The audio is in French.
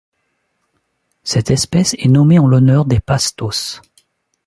Cette espèce est nommée en l'honneur des Pastos.